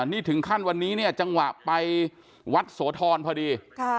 นี่ถึงขั้นวันนี้เนี่ยจังหวะไปวัดโสธรพอดี